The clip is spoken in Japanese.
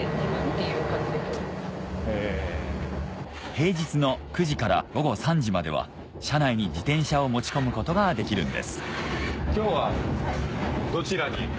平日の９時から午後３時までは車内に自転車を持ち込むことができるんです今日はどちらに？